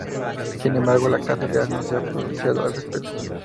Sin embargo, la Casa Real no se ha pronunciado al respecto.